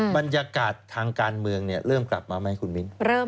บรรยากาศทางการเมืองเริ่มกลับมาไหมคุณมิ้น